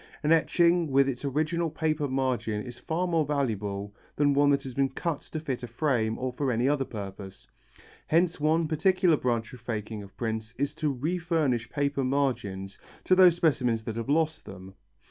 An etching with its original paper margin is far more valuable than one that has been cut to fit a frame or for any other purpose. Hence one particular branch of faking of the prints is to refurnish paper margins to those specimens that have lost them.